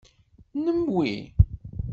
Nnem wi?